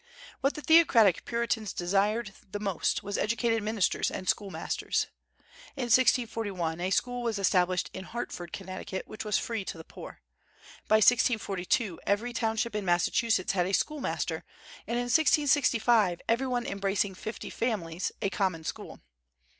What the theocratic Puritans desired the most was educated ministers and schoolmasters. In 1641 a school was established in Hartford, Connecticut, which was free to the poor. By 1642 every township in Massachusetts had a schoolmaster, and in 1665 every one embracing fifty families a common school.